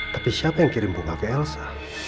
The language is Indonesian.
tapi siapa yang kirim bunga ke elsa